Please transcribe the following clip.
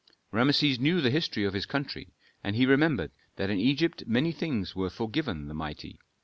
Rameses knew the history of his country, and he remembered that in Egypt many things were forgiven the mighty.